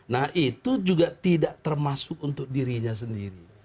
nah itu juga tidak termasuk untuk dirinya sendiri